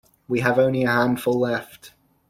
We only have a handful left.